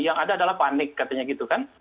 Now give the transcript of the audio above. yang ada adalah panik katanya gitu kan